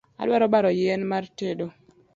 Adwa baro yien mar tedo